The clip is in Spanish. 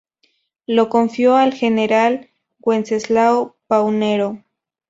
Lo confió al general Wenceslao Paunero.